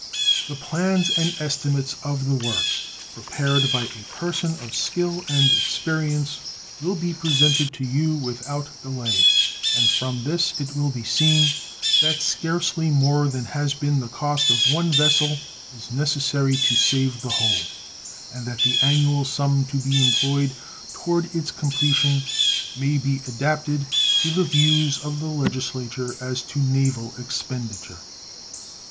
The plans and estimates of the work, prepared by a person of skill and experience, will be presented to you without delay, and from this it will be seen that scarcely more than has been the cost of one vessel is necessary to save the whole, and that the annual sum to be employed toward its completion may be adapted to the views of the Legislature as to naval expenditure.